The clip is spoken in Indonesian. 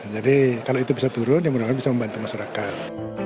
jadi kalau itu bisa turun ya mudah mudahan bisa membantu masyarakat